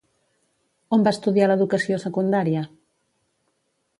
On va estudiar l'educació secundària?